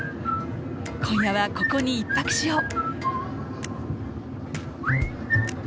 今夜はここに１泊しよう。